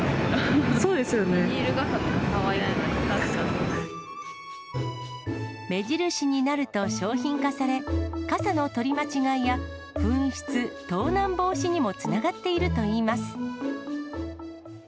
ビニール傘とか、かわいくな目印になると商品化され、傘の取り間違いや、紛失・盗難防止にもつながっているといいます。